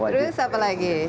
terus apa lagi